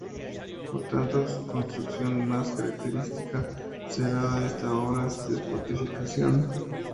Por tanto, su construcción más característica será esta obra de fortificación.